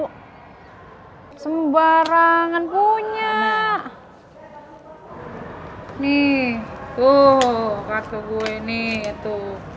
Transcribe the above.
hai sembarangan punya nih tuh kartu gue nih itu